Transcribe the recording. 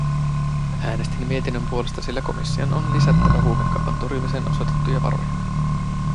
Äänestin mietinnön puolesta, sillä komission on lisättävä huumekaupan torjumiseen osoitettuja varoja.